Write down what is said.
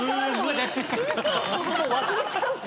もう忘れちゃうんだ。